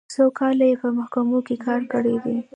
څو کاله یې په محکمو کې کار کړی.